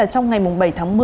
trong ngày bảy tháng một mươi